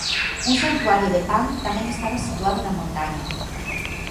Un santuario de Pan tamén estaba situado na montaña.